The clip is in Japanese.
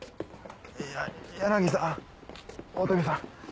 や柳さん大嶽さん。